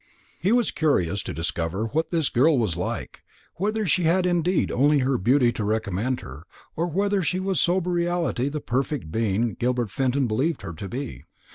He was curious to discover what this girl was like, whether she had indeed only her beauty to recommend her, or whether she was in sober reality the perfect being Gilbert Fenton believed her to be.